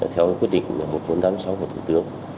theo quyết định một nghìn bốn trăm tám mươi sáu của thủ tướng